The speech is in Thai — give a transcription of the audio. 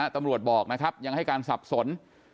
ตำรวจบอกยังให้การสับสน